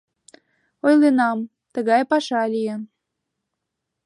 — Ойленам, тыгай паша лийын.